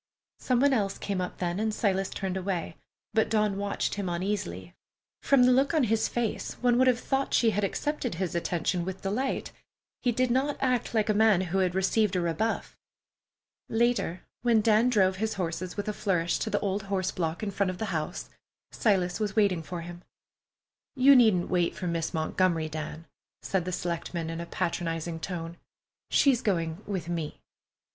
Some one else came up then, and Silas turned away, but Dawn watched him uneasily. From the look on his face, one would have thought she had accepted his attention with delight. He did not act like a man who had received a rebuff. Later, when Dan drove his horses with a flourish to the old horse block in front of the house, Silas was waiting for him. "You needn't wait for Miss Montgomery, Dan," said the selectman in a patronizing tone. "She's going with me."